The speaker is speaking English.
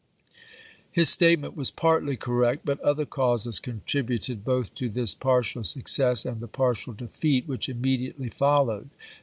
His statement was partly cor pp. 729, 730. rect, but other causes contributed both to this partial success and the partial defeat which immediately followed.